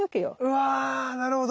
うわなるほど。